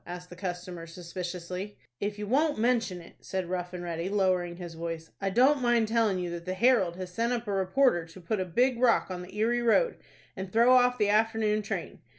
asked the customer, suspiciously. "If you won't mention it," said Rough and Ready, lowering his voice, "I don't mind telling you that the 'Herald' has sent up a reporter to put a big rock on the Erie Road, and throw off the afternoon train.